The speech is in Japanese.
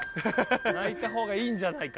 泣いたほうがいいんじゃないかと。